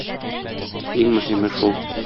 Иң мөһиме шул.